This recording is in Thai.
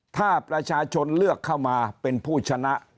ถ้าประชาชนเลือกเข้ามาเป็นผู้ชนะ